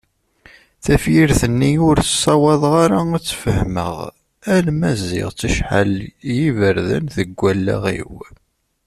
Tafyirt-nni ur ssawaḍeɣ ara ad tt-fehmeɣ alma zziɣ-tt acḥal n yiberdan deg wallaɣ-iw.